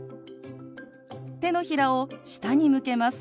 手のひらを下に向けます。